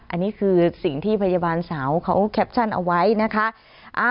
อันนี้คือสิ่งที่พยาบาลสาวเขาแคปชั่นเอาไว้นะคะ